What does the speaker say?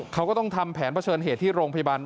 เขาก็ต้องทำแผนเผชิญเหตุที่โรงพยาบาล